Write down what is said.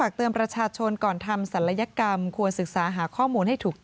คุณผู้ชมครับ